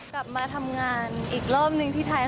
กลับมาทำงานอีกรอบนึงที่ไทย